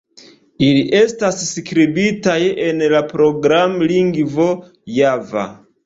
Ili estas skribitaj en la programlingvo Java.